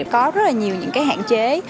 có rất là nhiều những hạn chế